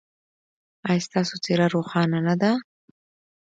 ایا ستاسو څیره روښانه نه ده؟